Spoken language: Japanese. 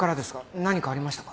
何かありましたか？